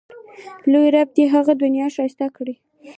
لوی رب دې یې هغه دنیا ښایسته کړي.